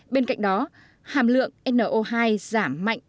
bên cạnh đó hàm lượng no hai giảm mạnh